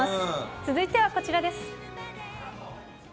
続いてはこちらです。